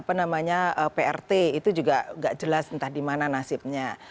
apa namanya prt itu juga nggak jelas entah di mana nasibnya